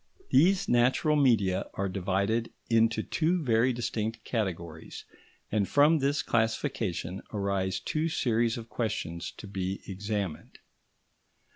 These natural media are divided into two very distinct categories, and from this classification arise two series of questions to be examined.